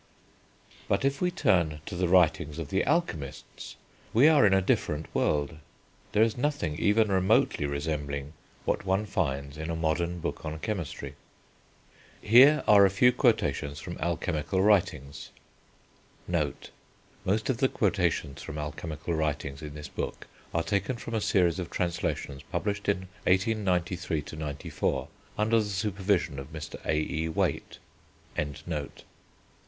But if we turn to the writings of the alchemists, we are in a different world. There is nothing even remotely resembling what one finds in a modern book on chemistry. Here are a few quotations from alchemical writings : Most of the quotations from alchemical writings, in this book, are taken from a series of translations, published in 1893 94, under the supervision of Mr A.E. Waite.